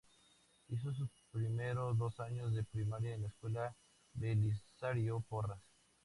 Hizo sus primero dos años de primaria en la escuela Belisario Porras.